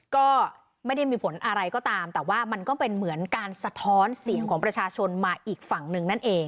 ก็ไม่ได้มีผลอะไรก็ตามแต่ว่ามันก็เป็นเหมือนการสะท้อนเสียงของประชาชนมาอีกฝั่งหนึ่งนั่นเอง